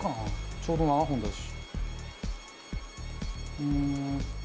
ちょうど７本だし。